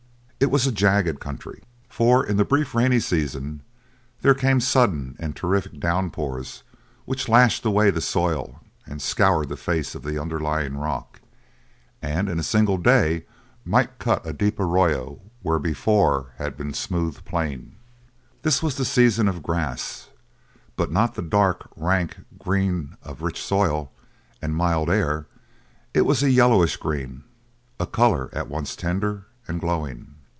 It was a jagged country, for in the brief rainy season there came sudden and terrific downpours which lashed away the soil and scoured the face of the underlying rock, and in a single day might cut a deep arroyo where before had been smooth plain. This was the season of grass, but not the dark, rank green of rich soil and mild air it was a yellowish green, a colour at once tender and glowing.